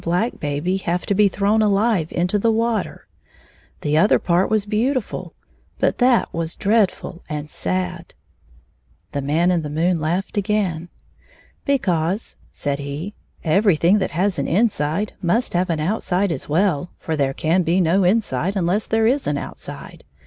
black baby have to be thrown alive into the water 1 The other part was beau tiful, but that was dreadftil and sad." The Man in the moon laughed again. " Because," said he, "everything that has an inside must have an outside as well, for there can be no in side unless there is an outside.